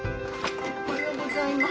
おはようございます。